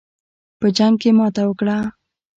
په جنګ کې ماته وکړه.